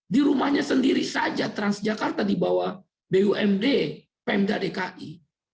di rumahnya sendiri saja transjakarta di bawah bumd pemda dki